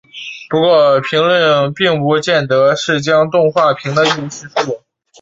不过评论并不见得将动画评得一无是处。